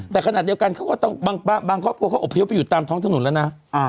แต่ขณะเดียวกันเขาก็ต้องบางครอบครัวเขาอบพยพไปอยู่ตามท้องถนนแล้วนะ